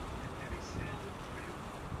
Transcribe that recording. Mwaka elfumoja miatisa hamsini na nne Mwangaza